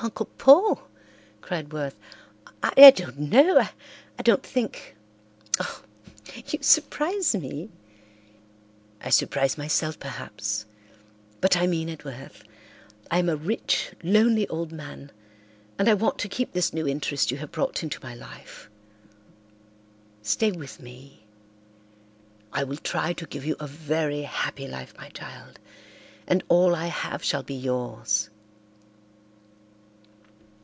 "Oh, Uncle Paul," cried Worth, "I don't know—I don't think—oh, you surprise me!" "I surprise myself, perhaps. But I mean it, Worth. I am a rich, lonely old man and I want to keep this new interest you have brought into my life. Stay with me. I will try to give you a very happy life, my child, and all I have shall be yours."